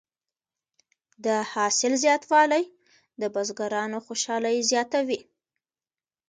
د حاصل زیاتوالی د بزګرانو خوشحالي زیاته وي.